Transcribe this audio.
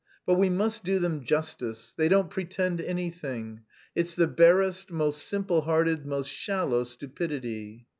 But we must do them justice: they don't pretend anything. It's the barest, most simple hearted, most shallow stupidity.